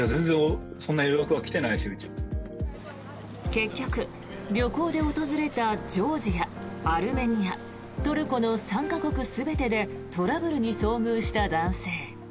結局、旅行で訪れたジョージア、アルメニアトルコの３か国全てでトラブルに遭遇した男性。